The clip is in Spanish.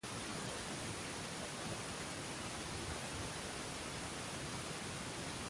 El sitio activo está en la interfaz entre dos subunidades.